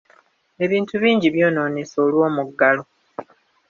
Ebintu bingi byonoonese olw’omuggalo.